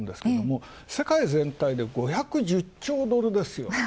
世界全体で５１０兆ドルですよ。